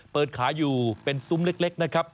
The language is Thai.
เปิดขายอยู่เป็นซุ้มเล็กนะครับ